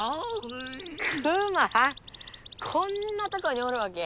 こんなとこにおるわけ。